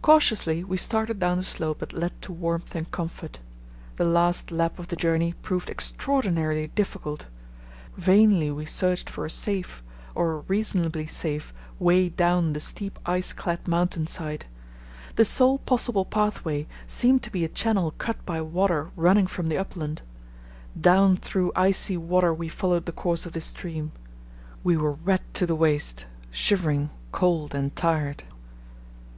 Cautiously we started down the slope that led to warmth and comfort. The last lap of the journey proved extraordinarily difficult. Vainly we searched for a safe, or a reasonably safe, way down the steep ice clad mountain side. The sole possible pathway seemed to be a channel cut by water running from the upland. Down through icy water we followed the course of this stream. We were wet to the waist, shivering, cold, and tired.